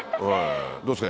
どうですか？